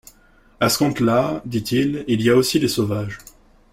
À ce compte-là, dit-il, il y a aussi les Sauvages.